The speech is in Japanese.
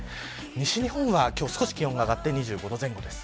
西日本は今日、少し気温が上がって２５度前後です。